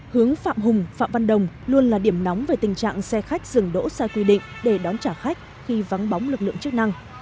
hướng phạm hùng phạm văn đồng luôn là điểm nóng về tình trạng xe khách dừng đỗ sai quy định để đón trả khách khi vắng bóng lực lượng chức năng